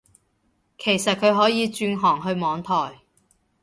其實佢可以轉行去網台